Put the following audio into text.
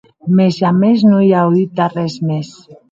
Mès jamès non i a auut arrés mès.